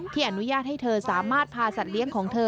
อนุญาตให้เธอสามารถพาสัตว์เลี้ยงของเธอ